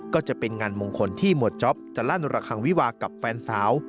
ก็จะเป็นงานมงคลที่หมวดจ๊อปจะลั่นระคังวิวากับแฟนสาว